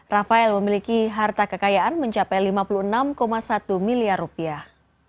rafael memiliki harta kekayaan mencapai lima puluh enam satu miliar rupiah